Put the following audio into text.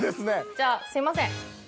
じゃあすいません。